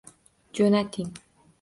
Jo’nating